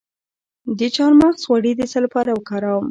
د چارمغز غوړي د څه لپاره وکاروم؟